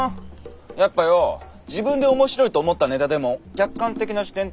やっぱよォ自分で面白いと思ったネタでも「客観的な視点」ってやつが必要だろ？